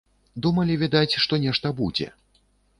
Думалі, відаць, што нешта будзе.